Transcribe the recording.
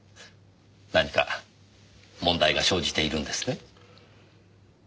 何か問題が生じているんですね？